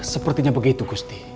sepertinya begitu gusti